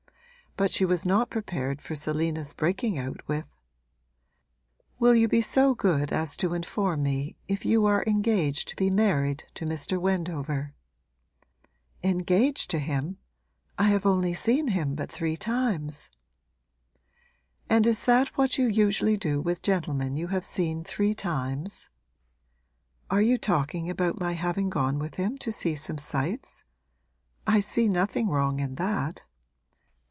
But she was not prepared for Selina's breaking out with: 'Will you be so good as to inform me if you are engaged to be married to Mr. Wendover?' 'Engaged to him? I have seen him but three times.' 'And is that what you usually do with gentlemen you have seen three times?' 'Are you talking about my having gone with him to see some sights? I see nothing wrong in that.